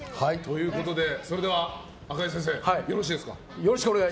それでは赤井先生よろしいですか。